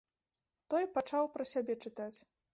Той пачаў пра сябе чытаць.